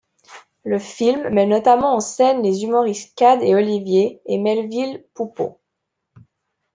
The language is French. Le film met notamment en scène les humoristes Kad et Olivier et Melvil Poupaud.